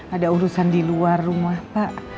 ada urusan di luar rumah pak